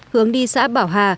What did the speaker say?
hướng đi xã bảo hà